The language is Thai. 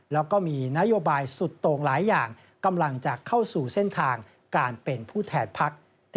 แล้วก็มีนโยบายสุดโต่งหลายอย่างกำลังจะเข้าสู่เส้นทางการเป็นผู้แทนพัก